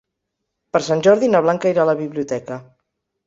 Per Sant Jordi na Blanca irà a la biblioteca.